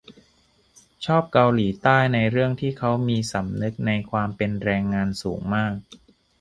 ชอบเกาหลีใต้ในเรื่องที่เค้ามีสำนึกในความเป็นแรงงานสูงมาก